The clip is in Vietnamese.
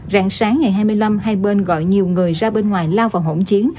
rạng sáng ngày hai mươi năm hai bên gọi nhiều người ra bên ngoài lao vào hỗn chiến